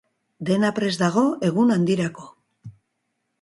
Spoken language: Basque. Dena prest dago egun handirako.